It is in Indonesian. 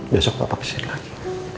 besok papa kesini lagi